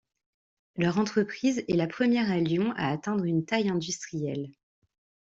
Leur entreprise est la première à Lyon à atteindre une taille industrielle.